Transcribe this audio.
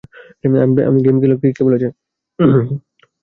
আমি গেম খেলি কে বলেছে?